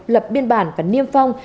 lập biên bản và niêm phong